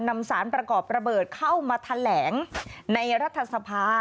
นำสารประกอบระเบิดเข้ามาแถลงในรัฐสภา